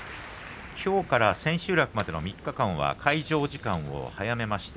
きょうから千秋楽までの３日間は開場時間を早めました。